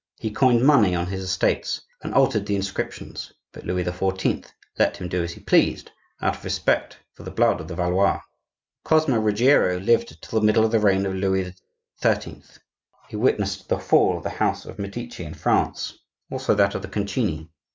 He coined money on his estates and altered the inscriptions; but Louis XIV. let him do as he pleased, out of respect for the blood of the Valois. Cosmo Ruggiero lived till the middle of the reign of Louis XIII.; he witnessed the fall of the house of the Medici in France, also that of the Concini.